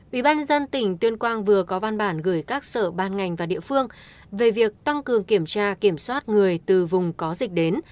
ubnd tỉnh tuyên quang vừa có văn bản gửi các sở ban ngành và địa phương về việc tăng cường kiểm tra kiểm soát người từ vùng có dịch đến